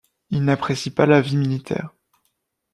Il n'apprécie pas la vie militaire.